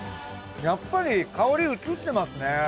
やっぱり香り移ってますね。